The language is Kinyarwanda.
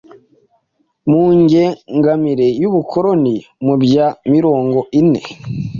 mu ngengamari y'ubukoloni mu bya mirongo ine